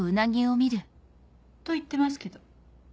と言ってますけど？